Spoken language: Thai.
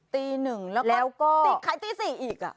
ตี๑แล้วก็แล้วก็ติดขายตี๔อีกอ่ะ